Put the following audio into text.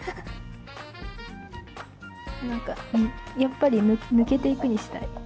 何かやっぱり「抜けてゆく」にしたい。